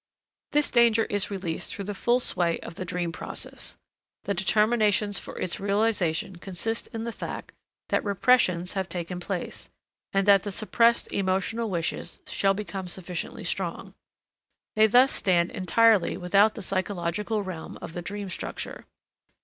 This danger is released through the full sway of the dream process. The determinations for its realization consist in the fact that repressions have taken place, and that the suppressed emotional wishes shall become sufficiently strong. They thus stand entirely without the psychological realm of the dream structure.